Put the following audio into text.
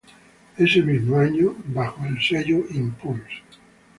Ese mismo año bajo el sello Impulse!